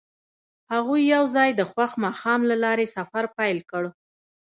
هغوی یوځای د خوښ ماښام له لارې سفر پیل کړ.